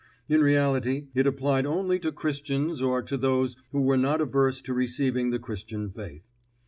In reality, it applied only to Christians or to those who were not averse to receiving the Christian faith.